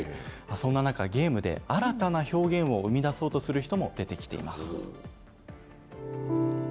そんな中、ゲームで新たな表現を生み出そうとする人も出てきています。